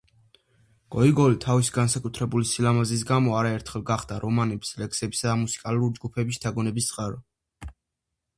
გოიგოლი თავისი განსაკუთრებული სილამაზის გამო არაერთხელ გახდა რომანების, ლექსებისა და მუსიკალური ჯგუფების შთაგონების წყარო.